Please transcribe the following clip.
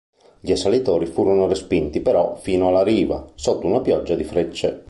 Gli assalitori furono respinti però fino alla riva, sotto una pioggia di frecce.